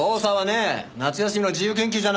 夏休みの自由研究じゃないんだよ。